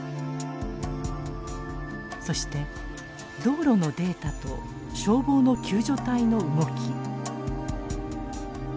そして道路のデータと消防の救助隊の動き。